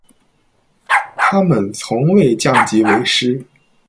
他们从未降级为师。